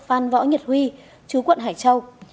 phan võ nhiệt huy chú quận hải châu